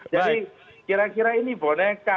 jadi kira kira ini boneka